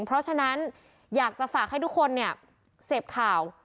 เพราะฉะนั้นอยากจะฝากให้ทุกคนเนี่ยเสพข่าว